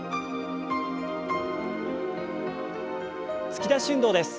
突き出し運動です。